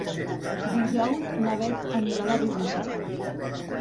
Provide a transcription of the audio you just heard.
Dijous na Beth anirà a la biblioteca.